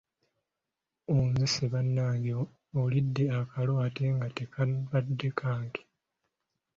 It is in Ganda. Onzise bannange, olidde akalo ate nga tekabadde kange.